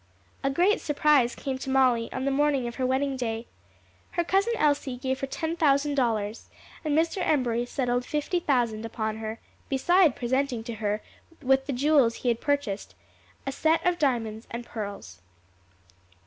A great surprise came to Molly on the morning of her wedding day. Her cousin Elsie gave her ten thousand dollars, and Mr. Embury settled fifty thousand upon her, beside presenting her with the jewels he had purchased a set of diamonds and pearls.